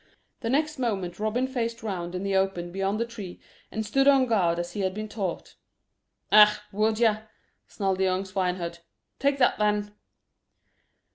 The next moment Robin faced round in the open beyond the tree, and stood on guard as he had been taught. "Ah, would yer?" snarled the young swineherd; "take that then."